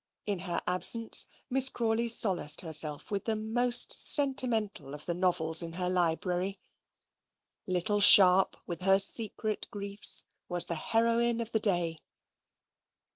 In her absence Miss Crawley solaced herself with the most sentimental of the novels in her library. Little Sharp, with her secret griefs, was the heroine of the day.